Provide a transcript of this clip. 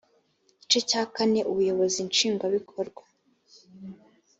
igice cya kane ubuyobozi nshingwabikorwa